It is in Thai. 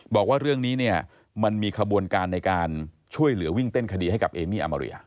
บอกว่าเรื่องนี้เนี่ยมันมีขบวนการในการช่วยเหลือวิ่งเต้นคดีให้กับเอมี่อามาเรีย